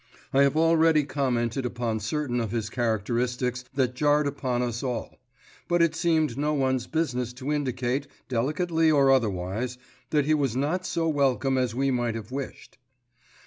I have already commented upon certain of his characteristics that jarred upon us all; but it seemed no one's business to indicate, delicately or otherwise, that he was not so welcome as we might have wished.